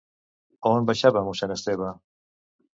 A on baixava mossèn Esteve?